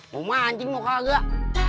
mau mancing mau kagak